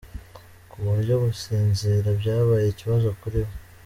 kuburyo gusinzira byabaye ikibazo kuri we.